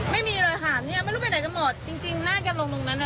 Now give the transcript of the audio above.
ไม่มีเลยถามเนี้ยไม่รู้ไปไหนก็หมดจริงจริงหน้าจะลงตรงนั้น